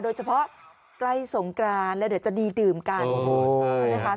โดยเฉพาะใกล้สงกรานแล้วเดี๋ยวจะดีดื่มกันใช่ไหมคะ